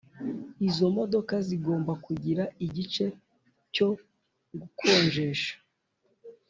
Izo modoka zigomba kugira igice cyo gukonjesha